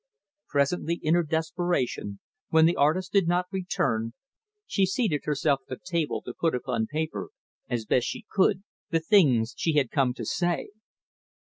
Presently, in her desperation, when the artist did not return, she seated herself at the table to put upon paper, as best she could, the things she had come to say.